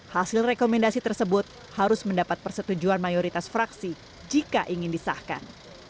hasil rekomendasi tersebut harus mendapat persetujuan mayoritas fraksi jika ingin disahkan